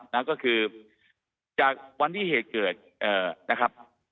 นะก็คือจากวันที่เหตุเกิดนะครับ